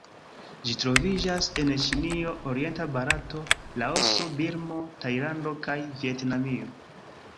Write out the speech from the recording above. Ĝi troviĝas en Ĉinio, orienta Barato, Laoso, Birmo, Tajlando kaj Vjetnamio.